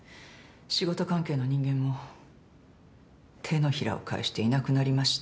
仕事関係の人間も手のひらを返していなくなりました。